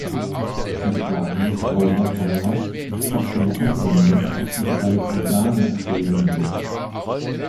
Sie fragen, Frau Hautala, ob eine Anwendung auf die drei Organe erfolgen wird.